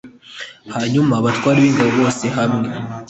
hanyuma abatware b ingabo bose hamwe